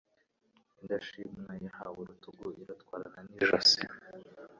Indashimwa yahawe urutugu irutwarana n’ijosi